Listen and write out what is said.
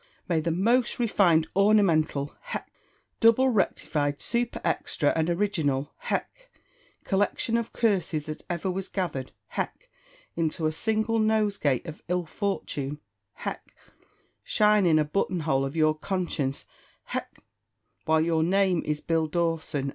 may the most refined, ornamental (hech!), double rectified, super extra, and original (hech!) collection of curses that ever was gathered (hech!) into a single nosegay of ill fortune (hech!), shine in the button hole of your conscience (hech!) while your name is Bill Dawson!